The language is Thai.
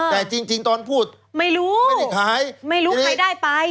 แต่จริงตอนพูดไม่ได้ขายไม่รู้ไม่รู้ใครได้ไป